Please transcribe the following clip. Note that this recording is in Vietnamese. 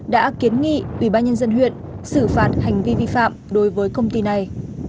đã kiến nghị ubnd huyện xử phạt hành vi vi phạm đối với công ty này